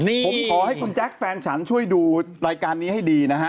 ผมขอให้คุณแจ๊คแฟนฉันช่วยดูรายการนี้ให้ดีนะฮะ